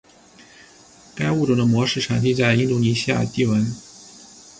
该物种的模式产地在印度尼西亚帝汶。